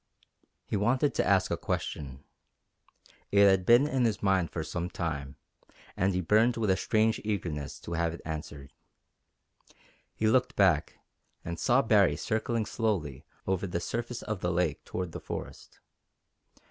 He wanted to ask a question. It had been in his mind for some time, and he burned with a strange eagerness to have it answered. He looked back, and saw Baree circling slowly over the surface of the lake toward the forest.